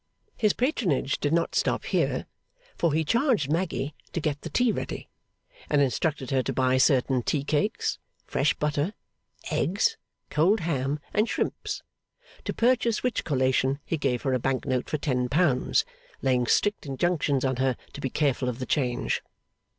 His patronage did not stop here; for he charged Maggy to get the tea ready, and instructed her to buy certain tea cakes, fresh butter, eggs, cold ham, and shrimps: to purchase which collation he gave her a bank note for ten pounds, laying strict injunctions on her to be careful of the change.